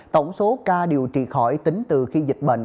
tổng số ca điều trị khỏi tính từ khi dịch bệnh